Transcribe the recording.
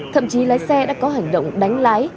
thậm chí lái xe đã có hành động đánh lái